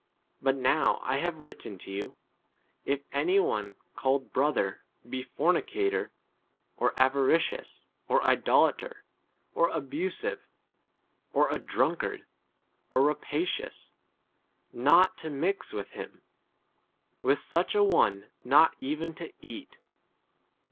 But now I have written to you, if any one called brother be fornicator, or avaricious, or idolater, or abusive, or a drunkard, or rapacious, not to mix with [him] ; with such a one 12 not even to eat.